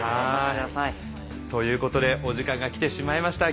ということでお時間が来てしまいました。